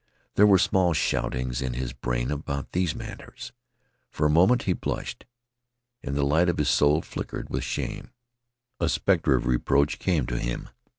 There were small shoutings in his brain about these matters. For a moment he blushed, and the light of his soul flickered with shame. A specter of reproach came to him.